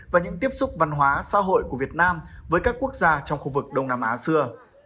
và những tiếp xúc văn hóa xã hội của việt nam với các quốc gia trong khu vực đông nam á xưa